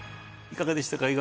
いかがでしたか？